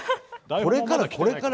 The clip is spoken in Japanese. これからこれから。